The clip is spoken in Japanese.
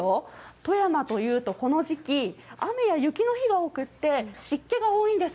富山というと、この時期、雨や雪の日が多くて、湿気が多いんです。